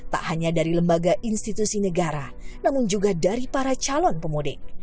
tak hanya dari lembaga institusi negara namun juga dari para calon pemudik